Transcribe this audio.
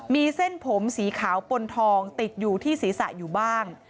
มีเส้นผมสีขาวปนทองติดอยู่ที่ศีรษะอยู่บ้าง